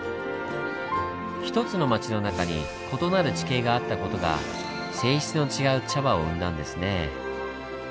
一つの町の中に異なる地形があった事が性質の違う茶葉を生んだんですねぇ。